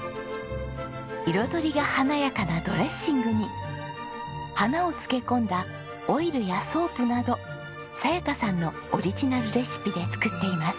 彩りが華やかなドレッシングに花を漬け込んだオイルやソープなど早矢加さんのオリジナルレシピで作っています。